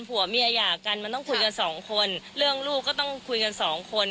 ผัวเมียหย่ากันมันต้องคุยกันสองคนเรื่องลูกก็ต้องคุยกันสองคน